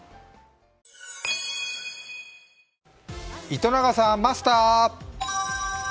糸永さん、マスター！